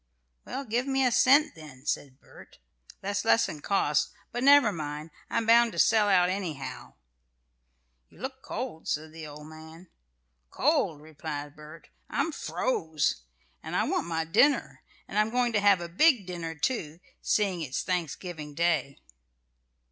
"Well, give me a cent then," said Bert. "That's less'n cost; but never mind; I'm bound to sell out anyhow." "You look cold," said the old man. "Cold?" replied Bert; "I'm froze. And I want my dinner. And I'm going to have a big dinner, too, seeing it's Thanksgiving Day."